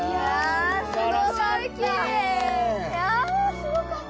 すごかった。